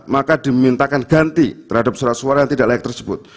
maka dimintakan ganti terhadap surat suara yang tidak layak tersebut